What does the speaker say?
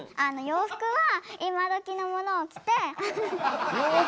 洋服は今どきのものを着て？